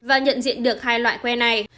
và nhận diện được hai loại que này